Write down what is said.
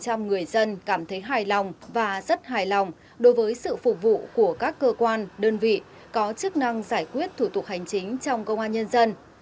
trong đó bảy mươi một người dân cảm thấy hài lòng và rất hài lòng đối với sự phục vụ của các cơ quan đơn vị có chức năng giải quyết thủ tục hành trình trong công an nhân dân